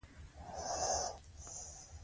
د ناروغۍ په وخت کې چټک اقدام کوي.